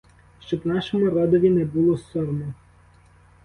Щоб нашому родові не було сорому.